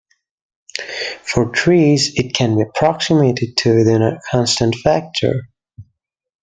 For trees, it can be approximated to within a constant factor.